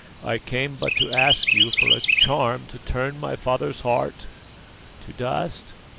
"I came but to ask you for a charm to turn my father's heart " "To dust?